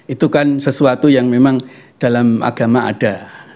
itu kan sesuatu yang memang dalam agama ada